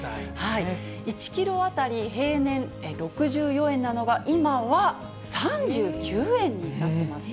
１キロ当たり平年６４円なのが今は３９円になってます。